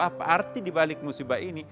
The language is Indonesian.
apa arti dibalik musibah ini